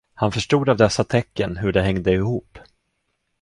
Han förstod av dessa tecken hur det hängde ihop.